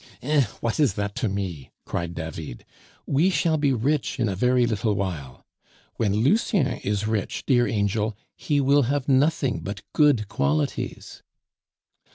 "Eh! what is that to me!" cried David, "we shall be rich in a very little while. When Lucien is rich, dear angel, he will have nothing but good qualities."